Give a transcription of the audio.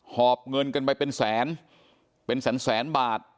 อบเงินกันไปเป็นแสนเป็นแสนแสนบาท